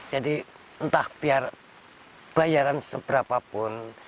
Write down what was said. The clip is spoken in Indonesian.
jadi entah biar bayaran seberapapun